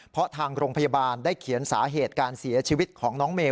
เพราะทางโรงพยาบาลได้เขียนสาเหตุการเสียชีวิตของน้องเมย